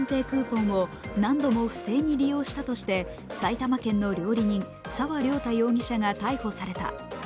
クーポンを何度も不正に利用したとして埼玉県の料理人、沢涼太容疑者が逮捕された。